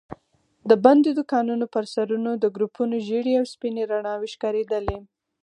د بندو دوکانونو پر سرونو د ګروپونو ژېړې او سپينې رڼا وي ښکارېدلې.